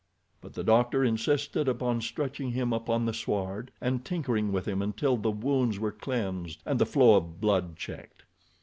But the doctor insisted upon stretching him upon the sward, and tinkering with him until the wounds were cleansed and the flow of blood checked.